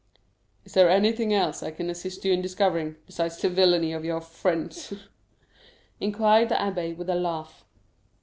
"Is there anything else I can assist you in discovering, besides the villany of your friends?" inquired the abbé with a laugh.